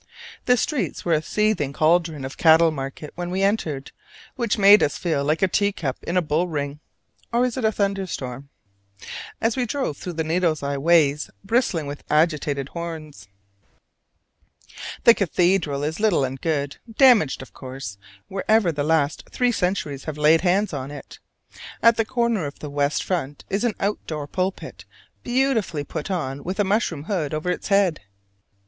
The streets were a seething caldron of cattle market when we entered, which made us feel like a tea cup in a bull ring (or is it thunderstorm?) as we drove through needle's eye ways bristling with agitated horns. The cathedral is little and good: damaged, of course, wherever the last three centuries have laid hands on it. At the corner of the west front is an out door pulpit beautifully put on with a mushroom hood over its head.